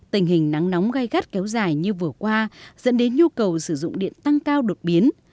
tình hình nắng nóng gai gắt kéo dài như vừa qua dẫn đến nhu cầu sử dụng điện tăng cao đột biến